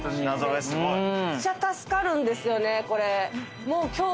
めっちゃ助かるんですよねこれ。